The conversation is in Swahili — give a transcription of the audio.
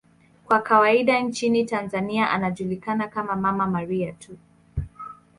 Kwa kawaida nchini Tanzania anajulikana kama 'Mama Maria' tu.